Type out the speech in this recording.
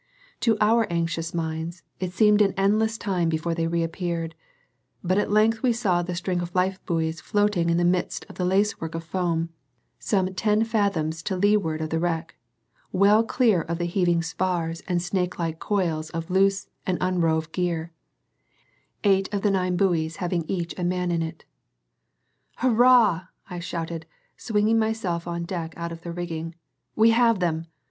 To our anxious minds it seemed an endless time before they reappeared; but at length we saw the string of life buoys floating in the midst of the lacework of foam, some ten fathoms to leeward of the wreck, well clear of the heaving spars and snake like coils of loose and unrove gear, eight out of the nine buoys having each a man in it. "Hurrah!" I shouted, swinging myself on deck out of the rigging. "We have them!